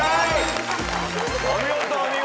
お見事お見事。